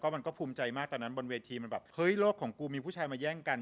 มันก็ภูมิใจมากตอนนั้นบนเวทีมันแบบเฮ้ยโลกของกูมีผู้ชายมาแย่งกัน